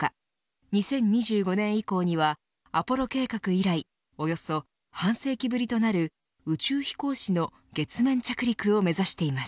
２０２５年以降にはアポロ計画以来およそ半世紀ぶりとなる宇宙飛行士の月面着陸を目指しています。